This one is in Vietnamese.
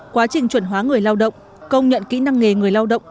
quá trình chuẩn hóa người lao động công nhận kỹ năng nghề người lao động